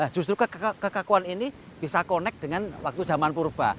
justru kekakuan ini bisa connect dengan waktu zaman purba